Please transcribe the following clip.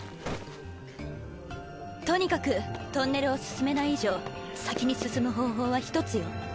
とにかくトンネルを進めない以上先に進む方法は一つよ。